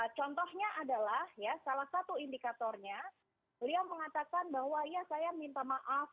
contohnya adalah salah satu indikatornya beliau mengatakan bahwa ya saya minta maaf